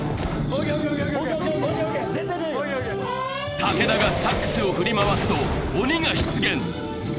武田がサックスを振り回すと鬼が出現。